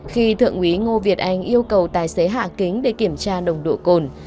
khi thượng quý ngô việt anh yêu cầu tài xế hạ kính để kiểm tra đồng độ cồn